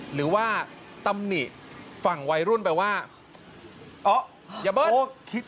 หรือว่าตำหนิฝั่งวัยรุ่นแปลว่าอย่าเบิ้ล